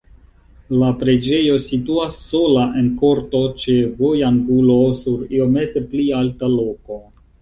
La preĝejo situas sola en korto ĉe vojangulo sur iomete pli alta loko.